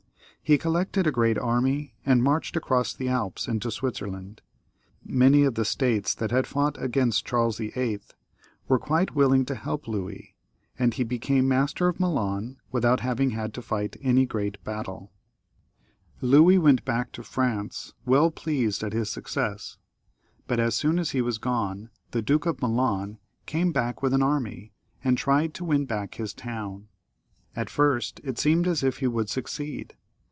He collected a great army, and marched across the Alps into Switzerland. Many of the States that had fought against Charles VIII. were quite willing to help Louis, and he became master of Milan without having had to fight any great battle. 232 LOUIS XIL [CH. Louis went back to France well pleased at his success^ but as soon as iie^was gone the Duke of Milan came back with an army, and tried to win back his town. At first it seemed as if he would succeed.